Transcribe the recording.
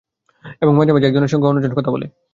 এবং মাঝে-মাঝে এক জনের সঙ্গে অন্য জন কথা বলে।